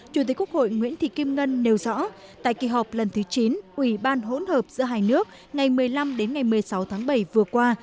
chủ tịch quốc hội nguyễn thị kim ngân nêu rõ tại kỳ họp lần thứ chín ủy ban hỗn hợp giữa hai nước ngày một mươi năm đến ngày một mươi sáu tháng bảy vừa qua